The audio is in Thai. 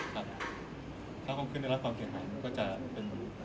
ครับเท่าของขึ้นแล้วรภาพจะเป็น